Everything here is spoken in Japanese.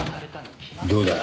どうだ？